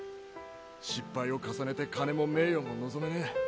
失敗を重ねて金も名誉も望めねぇ。